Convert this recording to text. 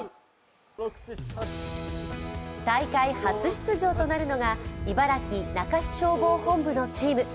大会初出場となるのが茨城・那珂市消防本部のチーム。